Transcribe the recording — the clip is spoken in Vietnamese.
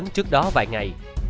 trước đó vài ngày